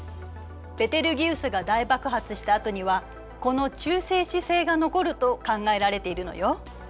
ベテルギウスが大爆発したあとにはこの中性子星が残ると考えられているのよ。